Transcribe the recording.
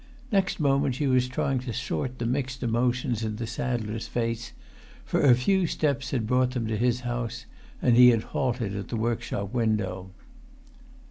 Next moment she was trying to sort the mixed emotions in the saddler's face, for a few steps had brought them to his house, and he had halted at the workshop window.